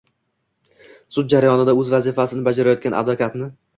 sud jarayonida o‘z vazifasini bajarayotgan advokatni